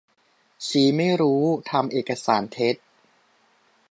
ชี้ไม่รู้เห็นทำเอกสารเท็จ